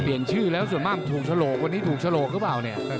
ชื่อแล้วส่วนมากถูกฉลกวันนี้ถูกฉลกหรือเปล่าเนี่ย